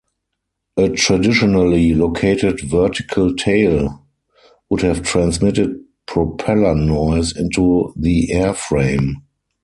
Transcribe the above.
A traditionally located vertical tail would have transmitted propeller noise into the airframe.